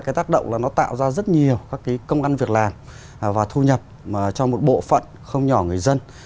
cái tác động là nó tạo ra rất nhiều các cái công ăn việc làm và thu nhập cho một bộ phận không nhỏ người dân